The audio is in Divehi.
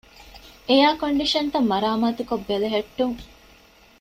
އެއަރ ކޮންޑިޝަންތައް މަރާމާތުކޮށް ބެލެހެއްޓުން